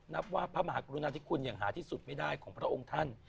นับว่าพระมหากรุณาธิคุณอย่างหาที่สุดไม่ได้ของพระองค์ท่าน